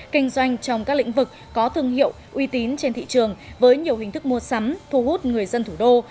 kinh doanh trong các lĩnh vực có thương hiệu uy tín trên thị trường với nhiều hình thức mua sắm thu hút người dân thủ đô